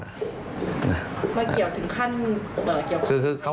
มาเกี่ยวถึงขั้น